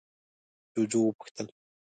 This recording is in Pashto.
جُوجُو وپوښتل: